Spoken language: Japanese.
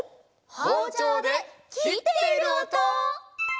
ほうちょうできっているおと！